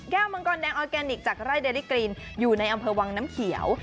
มังกรแดงออร์แกนิคจากไร่เดริกรีนอยู่ในอำเภอวังน้ำเขียว